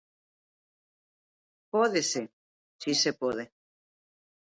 Pódese, si se pode.